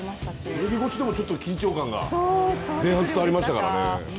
テレビ越しでも緊張感が前半伝わりましたからね。